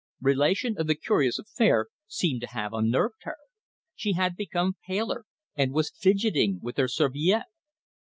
Relation of the curious affair seemed to have unnerved her. She had become paler and was fidgeting with her serviette.